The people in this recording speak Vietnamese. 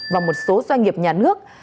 và một số doanh nghiệp nhà nước